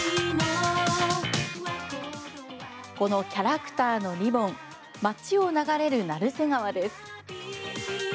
このキャラクターのリボン町を流れるなるせ川です。